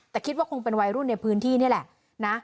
แต่คิดว่าคงเป็นวัยรุ่นในพื้นที่นี่แหละนะ